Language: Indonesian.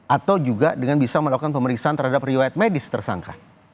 atau juga dengan bisa melakukan pemeriksaan terhadap riwayat medis tersangka